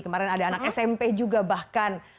kemarin ada anak smp juga bahkan